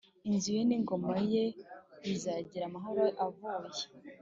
Inzu ye n ingoma ye bizagira amahoro avuye